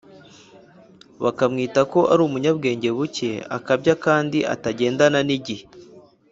bakamwita ko ari umunyabwenge bucye, akabya kandi atagendana n’igihe.